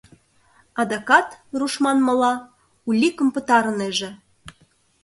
Адакат, руш манмыла, уликым пытарынеже.